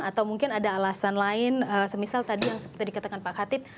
atau mungkin ada alasan lain semisal tadi yang seperti dikatakan pak katip